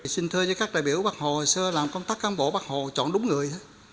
xin thưa các đại biểu bác hồ sơ làm công tác cán bộ bác hồ chọn đúng người